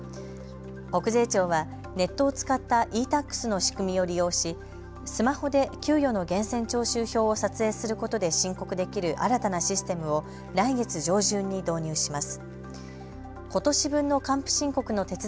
国税庁はネットを使ったｅ−Ｔａｘの仕組みを利用しスマホで給与の源泉徴収票を撮影することで申告できる新たなシステムを来月上旬に導入します。